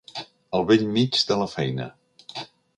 Al bell mig de la feina.